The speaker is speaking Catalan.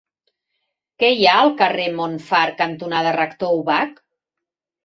Què hi ha al carrer Montfar cantonada Rector Ubach?